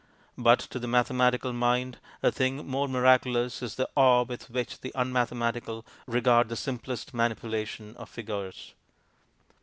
But to the mathematical mind a thing more miraculous is the awe with which the unmathematical regard the simplest manipulation of figures.